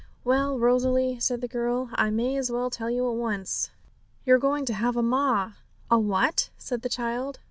'Well, Rosalie,' said the girl, 'I may as well tell you at once. You're going to have a ma!' 'A what?' said the child.